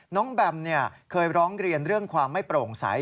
แบมเคยร้องเรียนเรื่องความไม่โปร่งใส